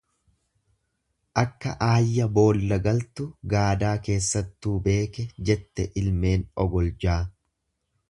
Akka aayya boolla galtu gaadaa keessattuu beeke jette ilmeen ogoljaa.